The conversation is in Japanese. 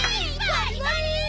バリバリ！